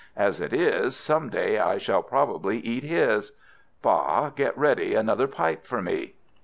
As it is, some day I shall probably eat his. Ba, get ready another pipe for me."